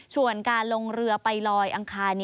ส่วนการลงเรือไปลอยอังคาร